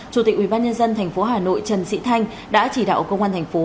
chủ tịch ubnd tp hà nội trần sĩ thanh đã chỉ đạo công an thành phố